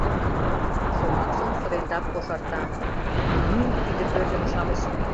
Шомакшым сыренрак кошарта: — Ну, тиде пӧръеҥ-шамычым!..